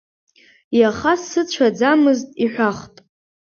Иаха сыцәаӡамызт иҳәахт…